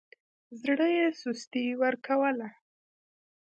زړه يې سستي ورکوله.